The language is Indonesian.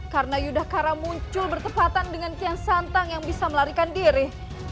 karena yudhakarat muncul bertepatan dengan tiansantang yang bisa melarikan diri